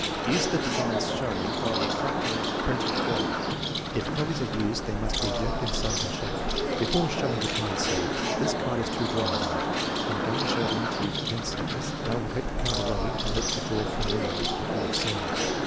Use the designs shown on the accompany ing printed form. If copies are used they must be exact in size and shape. Before showing the card say: "This card has two drawings on it. I am going to show them to you for ten seconds, then I will take the card away and let you draw from memory what you have seen.